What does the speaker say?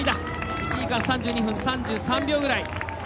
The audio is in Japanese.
１時間３２分３３秒ぐらい。